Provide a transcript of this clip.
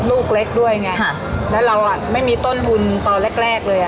ลูกเล็กด้วยไงแล้วเราไม่มีต้นหุ่นตอนแรกเลย